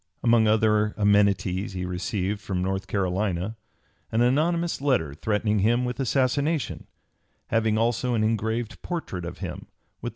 Among other amenities he received from North Carolina an anonymous letter threatening him with assassination, having also an engraved portrait of him with the (p.